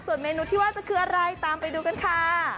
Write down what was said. ส่วนเมนูที่ว่าจะคืออะไรตามไปดูกันค่ะ